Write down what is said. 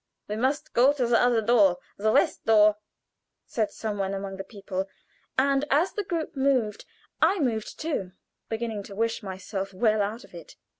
"We must go to the other door the west door," said some one among the people; and as the group moved I moved too, beginning to wish myself well out of it.